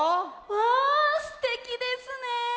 あすてきですね！